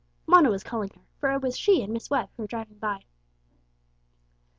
Mona was calling her, for it was she and Miss Webb who were driving by.